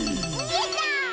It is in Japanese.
やった！